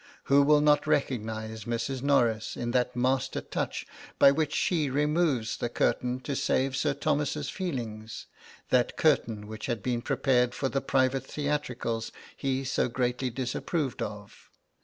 Who will not recognise Mrs. Norris in that master touch by which she removes the curtain to save Sir Thomas's feelings, that curtain which had been prepared for the private theatricals he so greatly disapproved of?